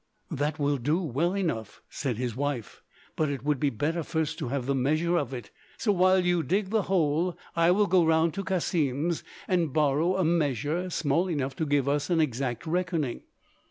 "That will do well enough," said his wife, "but it would be better first to have the measure of it. So while you dig the hole I will go round to Cassim's and borrow a measure small enough to give us an exact reckoning."